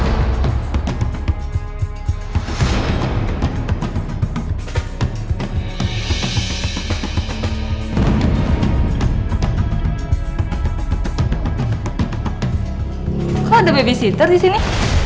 kok ada babysitter disini